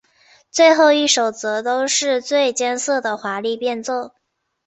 最后一首则都是最艰涩的华丽变奏。